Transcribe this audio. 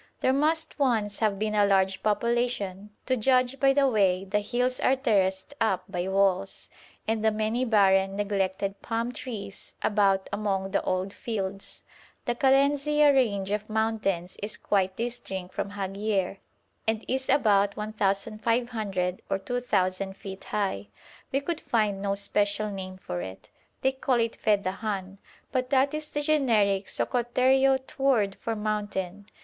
There must once have been a large population, to judge by the way the hills are terraced up by walls, and the many barren, neglected palm trees about among the old fields. The Kalenzia range of mountains is quite distinct from Haghier, and is about 1,500 or 2,000 feet high. We could find no special name for it. They call it Fedahan, but that is the generic Sokoteriote word for mountain.